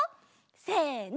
せの！